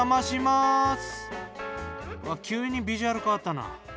うわ急にビジュアル変わったな。